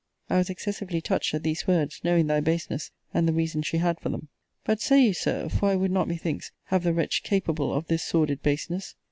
I was excessively touched at these words, knowing thy baseness, and the reason she had for them. But say you, Sir, for I would not, methinks, have the wretch capable of this sordid baseness!